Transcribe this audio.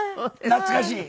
懐かしい。